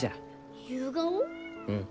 うん。